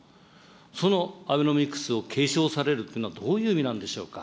そのアベノミクスを継承されるっていうのはどういう意味なんでしょうか。